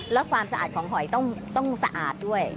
แล้วความสะอาดของหอยต้องสะอาดด้วย